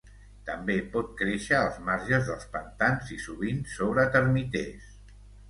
També pot créixer als marges dels pantans i sovint sobre termiters.